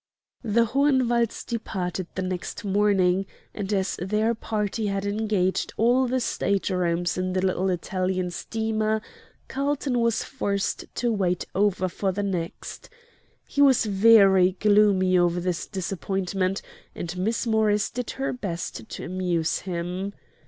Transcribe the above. The Hohenwalds departed the next morning, and as their party had engaged all the state rooms in the little Italian steamer, Carlton was forced to wait over for the next. He was very gloomy over his disappointment, and Miss Morris did her best to amuse him.